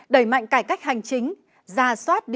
đẩy mạnh cải cách hành chính ra soát điều trị